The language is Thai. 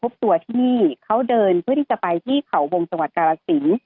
พบตัวที่นี่เขาเดินเพื่อที่จะไปที่เขาวงจังหวัดกาลสิน